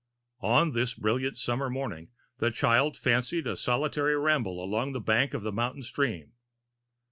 On this brilliant summer morning the child fancied a solitary ramble along the bank of the mountain stream.